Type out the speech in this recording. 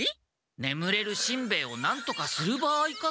ねむれるしんべヱをなんとかする場合かと。